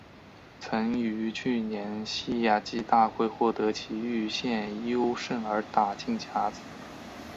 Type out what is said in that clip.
曾于去年夏季大会获得崎玉县优胜而打进甲子园。